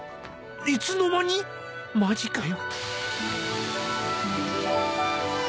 いつの間に⁉マジかよ。